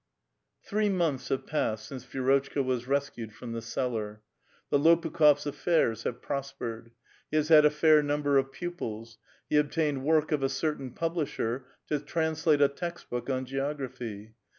Three months have passed since Vi6rotchka was rescued from the cellar. Tbe Lopukh6fs' affairs have prospered. He has had a fair number of pupils ; he obtained work of a certain publisher, to translate a text book on geography.